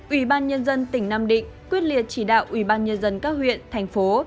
ủy ban nhân dân tỉnh nam định quyết liệt chỉ đạo ủy ban nhân dân các huyện thành phố